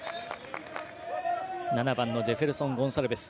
７番のジェフェルソン・ゴンサルベス。